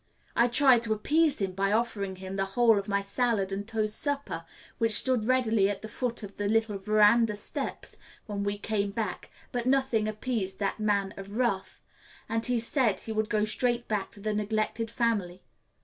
I tried to appease him by offering him the whole of my salad and toast supper which stood ready at the foot of the little verandah steps when we came back, but nothing appeased that Man of Wrath, and he said he would go straight back to the neglected family.